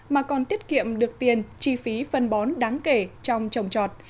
mà còn tiết kiệm được tiền chi phí phân bón đáng kể trong trồng trọt